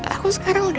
aku sekarang udah